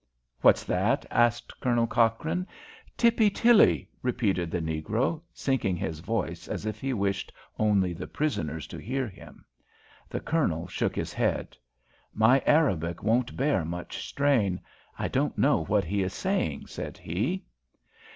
"What's that?" asked Colonel Cochrane. "Tippy Tilly," repeated the negro, sinking his voice as if he wished only the prisoners to hear him. The Colonel shook his head. "My Arabic won't bear much strain. I don't know what he is saying," said he.